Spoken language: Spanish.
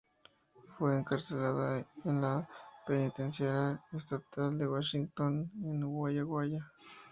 Fue encarcelada en la penitenciaría estatal de Washington, en Walla Walla.